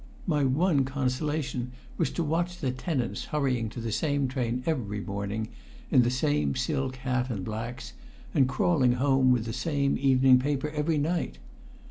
My one consolation was to watch the tenants hurrying to the same train every morning, in the same silk hat and blacks, and crawling home with the same evening paper every night.